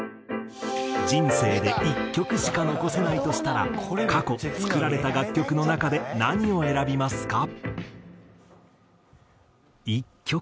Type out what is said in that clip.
人生で１曲しか残せないとしたら過去作られた楽曲の中で何を選びますか？